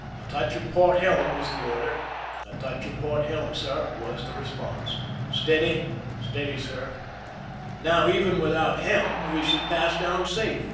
" A touch of port helm !" was the order. " A touch of port helm, sir," was the response. " Steady !"" Steady, sir." Now, even without helm, we should pass down safe.